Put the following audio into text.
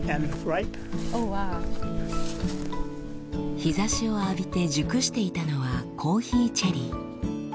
日ざしを浴びて熟していたのはコーヒーチェリー。